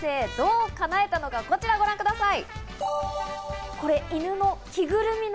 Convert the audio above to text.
どうかなえたのか、こちらをご覧ください。